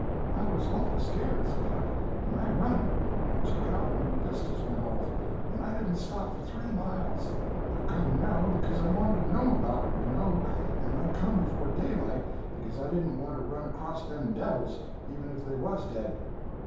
"I was awful scared," said Huck, "and I run. I took out when the pistols went off, and I didn't stop for three mile. I've come now becuz I wanted to know about it, you know; and I come before daylight becuz I didn't want to run across them devils, even if they was dead."